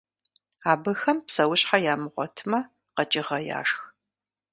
Абыхэм псэущхьэ ямыгъуэтмэ, къэкӏыгъэ яшх.